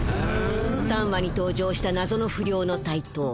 ３話に登場した謎の不良の台頭。